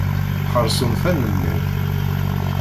Xeṛṣum tanemmirt.